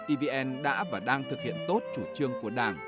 evn đã và đang thực hiện tốt chủ trương của đảng